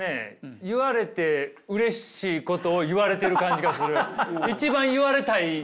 言われてうれしいことを言われてる感じがする。